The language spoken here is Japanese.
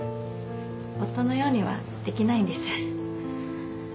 夫のようにはできないんです。